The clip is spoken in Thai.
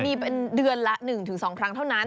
มีเป็นเดือนละ๑๒ครั้งเท่านั้น